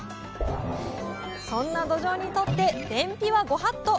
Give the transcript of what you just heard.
そんなどじょうにとって便秘はご法度！